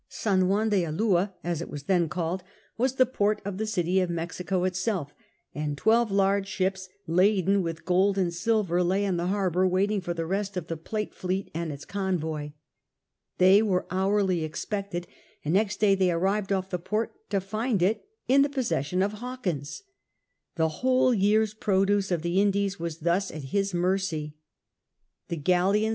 San Juan de Ulua, as it was then called, was the port of the city of Mexico itself, and twelve large ships laden with gold and silver lay in the harbour waiting for the rest of the Plate fleet and its convoy. They were hourly expected, and next day they arrived off the port to find it in the possession of Hawkins. The whole year's produce of the Indies was thus at his mercy. The galleons 14 SIR FRANCIS DRAKE ohap.